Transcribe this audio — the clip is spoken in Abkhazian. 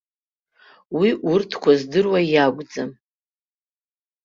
Уи урҭқәа здыруа иакәӡам!